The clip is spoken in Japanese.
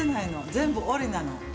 全部織りなの。